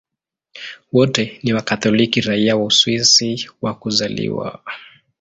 Wote ni Wakatoliki raia wa Uswisi kwa kuzaliwa.